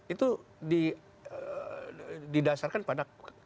itu didasarkan pada kepres